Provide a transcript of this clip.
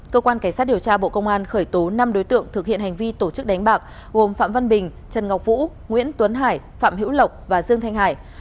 cơ quan cảnh sát điều tra bộ công an khởi tố năm đối tượng thực hiện hành vi tổ chức đánh bạc gồm phạm văn bình trần ngọc vũ nguyễn tuấn hải phạm hữu lộc và dương thanh hải